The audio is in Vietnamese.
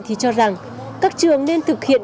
thì cho rằng các trường nên thực hiện